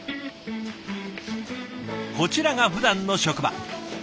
こちらがふだんの職場。